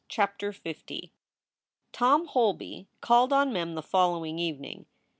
CHAPTER L TOM HOLBY called on Mem the following evening.